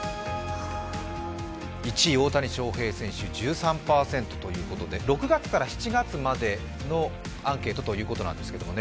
１位、大谷翔平選手、１３％ということで、６月から７月までのアンケートなんですけどね。